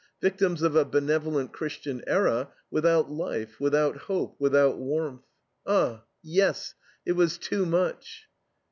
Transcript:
Victims of a benevolent Christian era, without life, without hope, without warmth. Ah, yes, it was too much!